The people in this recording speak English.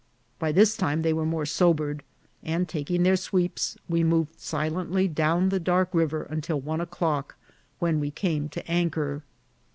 By this time they were more sobered ; and taking their sweeps, we moved silently down the dark river until one o'clock, when we came to anchor.